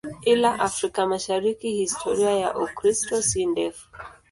Ila Afrika Mashariki historia ya Ukristo si ndefu.